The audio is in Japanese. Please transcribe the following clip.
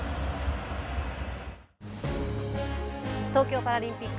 東京パラリンピック